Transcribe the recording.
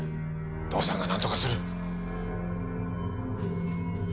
父さんがなんとかする。